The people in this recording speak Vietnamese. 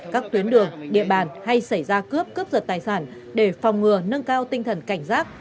các tuyến đường địa bàn hay xảy ra cướp cướp giật tài sản để phòng ngừa nâng cao tinh thần cảnh giác